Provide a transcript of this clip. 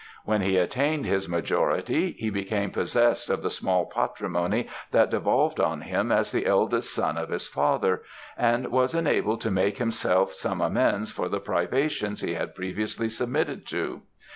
When he attained his majority, he became possessed of the small patrimony that devolved on him as the eldest son of his father, and was enabled to make himself some amends for the privations he had previously submitted to.